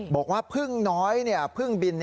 บอกว่าพึ่งน้อยพึ่งบิน